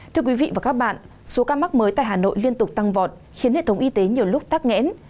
thưa quý vị và các bạn số ca mắc mới tại hà nội liên tục tăng vọt khiến hệ thống y tế nhiều lúc tắc nghẽn